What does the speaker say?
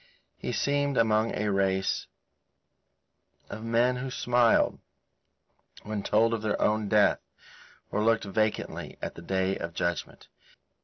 He seemed among a race of men who smiled when told of their own death, or looked vacantly at the Day of Judgement.